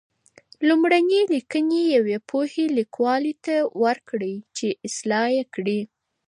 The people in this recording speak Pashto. لومړني لیکنې یوې پوهې لیکوال ته ورکړئ چې اصلاح یې کړي.